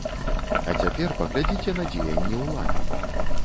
А цяпер паглядзіце на дзеянні ўлады.